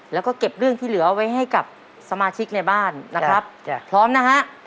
แล้วก็เก็บเรื่องที่เหลือเอาไว้ให้กับสมาชิกในบ้านนะครับจ้ะพร้อมนะฮะ